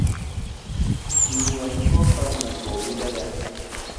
Ng wiin koofala na koowila ja?